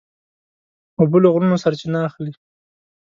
اوبه له غرونو سرچینه اخلي.